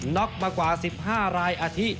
็อกมากว่า๑๕รายอาทิตย์